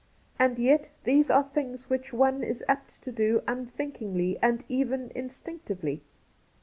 And yet these are things which one is apt to do unthinkingly and even instinctively.